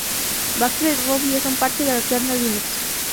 Backstreet Ruby es un parche del kernel Linux.